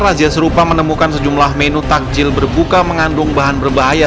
razia serupa menemukan sejumlah menu takjil berbuka mengandung bahan berbahaya